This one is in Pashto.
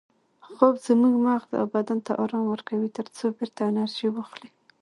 خوب زموږ مغز او بدن ته ارام ورکوي ترڅو بیرته انرژي واخلي